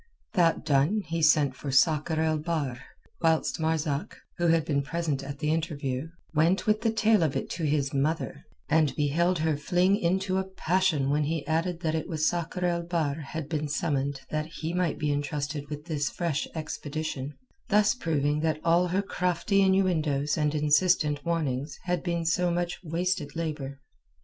That done he sent for Sakr el Bahr, whilst Marzak, who had been present at the interview, went with the tale of it to his mother, and beheld her fling into a passion when he added that it was Sakr el Bahr had been summoned that he might be entrusted with this fresh expedition, thus proving that all her crafty innuendoes and insistent warnings had been so much wasted labour.